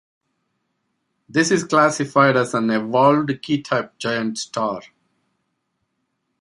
This is classified as an evolved K-type giant star.